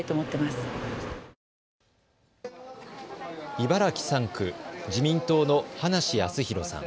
茨城３区、自民党の葉梨康弘さん。